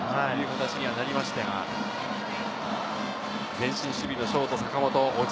前進守備のショート。